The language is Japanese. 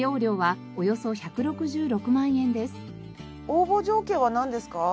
応募条件はなんですか？